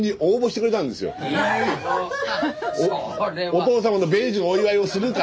お父様の米寿のお祝いをするから。